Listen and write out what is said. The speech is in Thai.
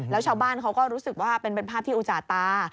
แล้วชาวบ้านเขาก็รู้สึกว่าเป็นภาพที่อุจจาตา